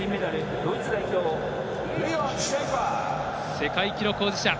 世界記録保持者。